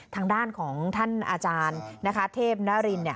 ทางด้านของท่านอาจารย์เทพนริน